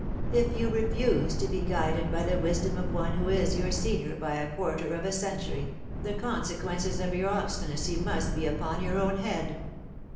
If you refuse to be guided by the wisdom of one who is your senior by a quarter of a century, the consequences of your obstinacy must be upon your own head.